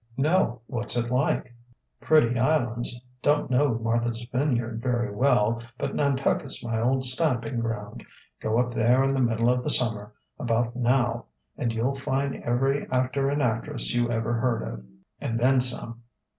"No. What's it like?" "Pretty islands. Don't know Martha's Vineyard very well, but Nantucket's my old stamping ground. Go up there in the middle of the summer about now and you'll find every actor and actress you ever heard of, and then some.